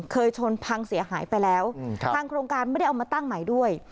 เคยชนพังเสียหายไปแล้วทางโครงการไม่ได้เอามาตั้งใหม่ด้วย